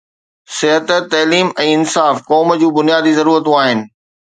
صحت، تعليم ۽ انصاف قوم جون بنيادي ضرورتون آهن.